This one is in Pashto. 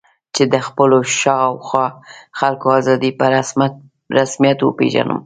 چې د خپلو شا او خوا خلکو آزادي په رسمیت وپېژنم.